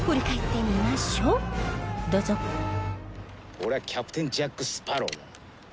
俺はキャプテン・ジャック・スパロウだ。